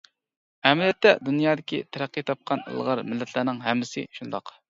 ئەمەلىيەتتە دۇنيادىكى تەرەققىي تاپقان ئىلغار مىللەتلەرنىڭ ھەممىسى شۇنداق.